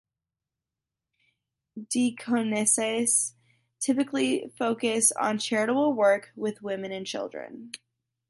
Deaconesses typically focused on charitable work with women and children.